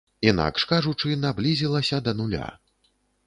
Інакш кажучы, наблізілася да нуля.